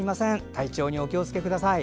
体調にお気をつけください。